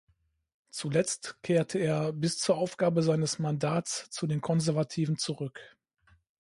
Zuletzt kehrte er bis zur Aufgabe seines Mandats zu den Konservativen zurück.